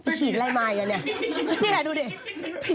นี่แหละดูได้